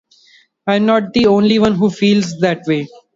I'm not the only one who feels that way.